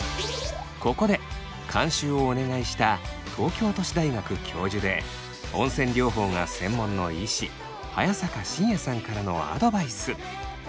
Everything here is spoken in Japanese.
ここで監修をお願いした東京都市大学教授で温泉療法が専門の医師早坂信哉さんからのアドバイス。